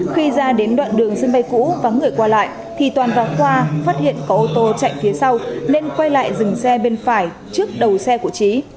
khi ra đến đoạn đường sân bay cũ vắng người qua lại thì toàn vào khoa phát hiện có ô tô chạy phía sau nên quay lại dừng xe bên phải trước đầu xe của trí